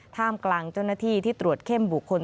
ท่ามกลางเจ้าหน้าที่ที่ตรวจเข้มบุคคล